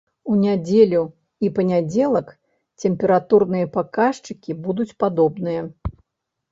У нядзелю і панядзелак тэмпературныя паказчыкі будуць падобныя.